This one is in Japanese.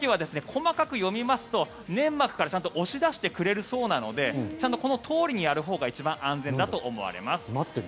細かく読みますと粘膜から押し出してくれるそうなのでこのとおりにやるほうが安全だと思います。